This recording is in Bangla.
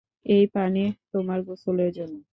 এই পানি তোমার গোসলের জন্য।